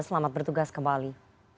selamat bertugas kembali